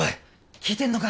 聞いてんのか？